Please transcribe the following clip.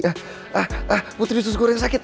ah ah putri usus goreng sakit